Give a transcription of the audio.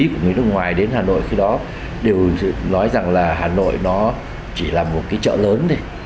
của người nước ngoài đến hà nội khi đó đều nói rằng là hà nội nó chỉ là một cái chợ lớn đi